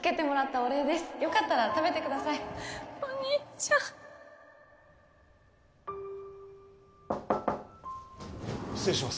お兄ちゃん失礼します